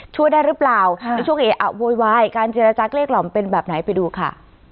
ช่วยได้หรือเปล่าอ่ะโวยวายการเจรจักรเลขหล่อมเป็นแบบไหนไปดูค่ะ